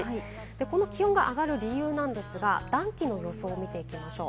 この気温が上がる理由なんですが、暖気の予想を見ていきましょう。